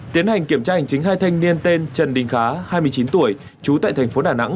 tiến hành kiểm tra hành chính hai thanh niên tên trần đình khá hai mươi chín tuổi trú tại thành phố đà nẵng